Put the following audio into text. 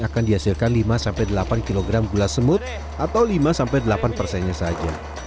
akan dihasilkan lima delapan kg gula semut atau lima delapan nya saja